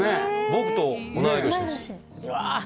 僕と同い年ですうわ